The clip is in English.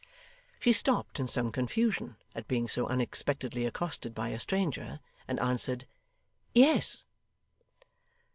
She stopped in some confusion at being so unexpectedly accosted by a stranger; and answered 'Yes.